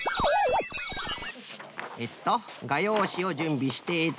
えっとがようしをじゅんびしてっと。